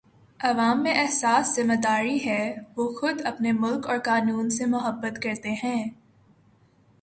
عوام میں احساس ذمہ داری ہے وہ خود اپنے ملک اور قانون سے محبت کرتے ہیں